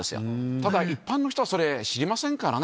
ただ一般の人は、それ知りませんからね。